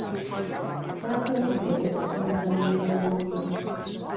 Twasobodde okusisinkana oluvannyuma.